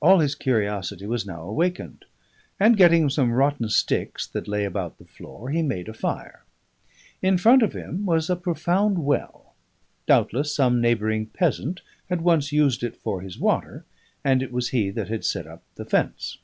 All his curiosity was now awakened, and, getting some rotten sticks that lay about the floor, he made a fire. In front of him was a profound well; doubtless some neighbouring peasant had once used it for his water, and it was he that had set up the fence.